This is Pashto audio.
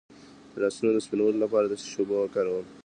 د لاسونو د سپینولو لپاره د څه شي اوبه وکاروم؟